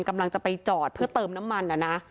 กำลังจะไปจอดเพื่อเติมน้ำมันนะ